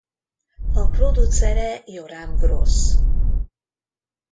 A producere Yoram Gross.